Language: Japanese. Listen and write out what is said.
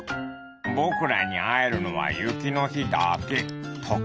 「ぼくらにあえるのはゆきのひだけ。